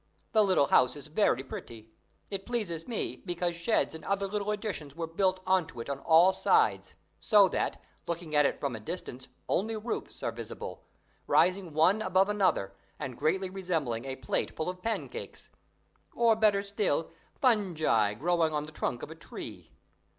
The little house is very pretty. It pleases me because sheds and other little additions are built on to it on all sides; so that, looking at it from a distance, only roofs are visible, rising one above another, and greatly resembling a plate full of pancakes, or, better still, fungi growing on the trunk of a tree.